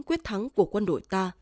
quyết thắng của quân đội ta